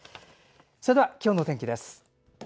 それでは、今日の天気です。